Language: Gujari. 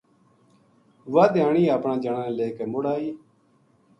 واہ دھیانی اپنا جنا لے کے مُڑ آئی